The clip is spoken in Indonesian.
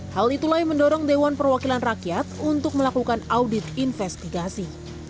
hal itulah yang mendorong dewan perwakilan rakyat untuk melakukan audit investigasi